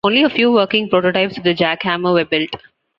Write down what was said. Only a few working prototypes of the Jackhammer were built.